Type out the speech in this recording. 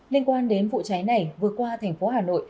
liên quan đến vụ cháy này vừa qua thành phố hà nội